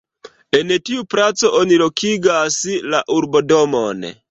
En tiu placo oni lokigas la urbodomon.